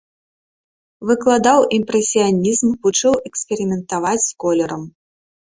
Выкладаў імпрэсіянізм, вучыў эксперыментаваць з колерам.